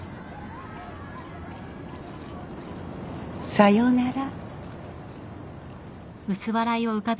さよなら。